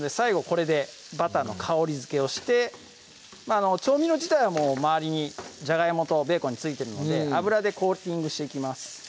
これでバターの香りづけをして調味料自体は周りにじゃがいもとベーコンに付いてるので油でコーティングしていきます